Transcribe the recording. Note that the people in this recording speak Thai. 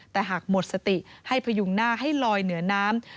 แต่หากหมดสติให้พยุงหน้าให้ลอยเหนือน้ำ